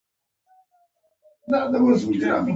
د پرېکړې دا حق د یوې غیر رسمي شورا له لوري ترلاسه کېده.